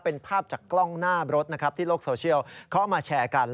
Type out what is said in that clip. เป็นภาพจากกล้องหน้ารถนะครับที่โลกโซเชียลเขามาแชร์กัน